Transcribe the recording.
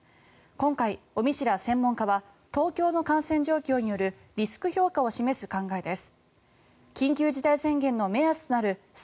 今回、尾身氏ら専門家は東京の感染状況によるリスク評価を示す考えです。